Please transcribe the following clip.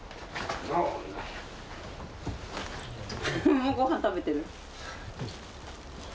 もうごはん食べてる？